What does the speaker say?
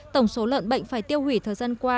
tổng số lợn bệnh phải tiêu hủy thời gian qua